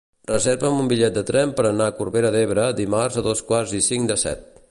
Reserva'm un bitllet de tren per anar a Corbera d'Ebre dimarts a dos quarts i cinc de set.